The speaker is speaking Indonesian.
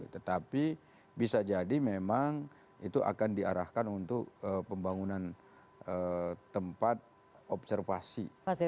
tetapi bisa jadi memang itu akan diarahkan untuk pembangunan tempat observasi